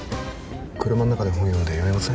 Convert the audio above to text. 車の中で本読んで酔いません？